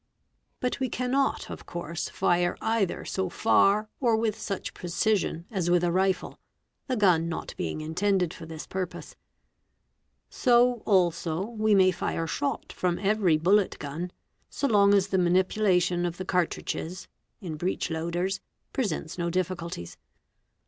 But we cannot of course fire a either so far or with such precision as with a rifle, the gun not being intended for this purpose. So also we may fire shot from every bullet a gun, so long as the manipulation of the cartridges (in breech loaders) i presents no difficulties.